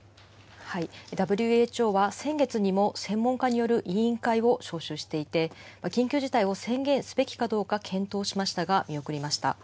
ＷＨＯは先月にも専門家による委員会を招集していて、緊急事態を宣言すべきかどうか検討しましたが、見送りました。